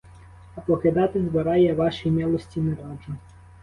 А покидати двора я вашій милості не раджу.